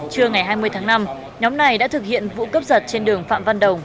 trưa ngày hai mươi tháng năm nhóm này đã thực hiện vụ cướp giật trên đường phạm văn đồng